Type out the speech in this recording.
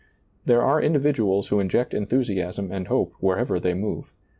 There are individuals who inject enthusiasm and hope wherever they move.